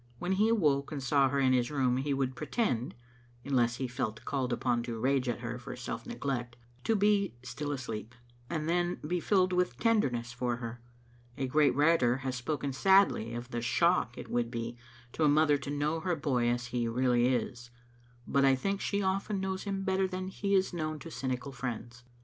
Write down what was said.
When he awoke and saw her in his room he would pre tend, unless he felt called upon to rage at her for self neglect, to be still asleep, and then be filled with tenderness for her. A great writer has spoken sadly of the shock it would be to a mother to know her boy as he really is, but I think she often knows him better than he is known to cynical friends.